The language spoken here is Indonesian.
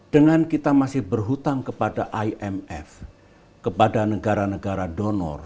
dengan kita masih berhutang kepada imf kepada negara negara donor